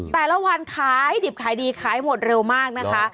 แต่ละวันขายดิบขายดีขายหมดเร็วมากนะคะ